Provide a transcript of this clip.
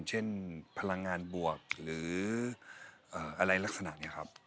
เช่นพลังงานบวกหรืออะไรลักษณะนี้ครับ